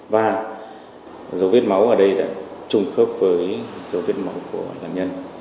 và dấu vết máu ở đây đã trùng khớp với dấu vết máu của nạn nhân